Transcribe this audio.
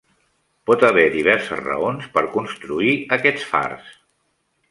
Pot haver diverses raons per construir aquests fars.